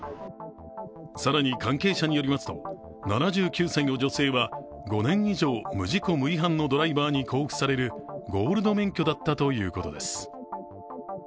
更に関係者によりますと、７９歳の女性は５年以上、無事故・無違反のドライバーに交付されるゴールド免許だったということです。